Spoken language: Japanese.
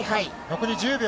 残り１０秒。